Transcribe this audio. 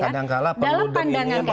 kadang kadang dalam pandangan kami